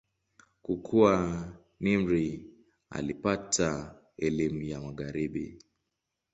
Kukua, Nimr alipata elimu ya Magharibi.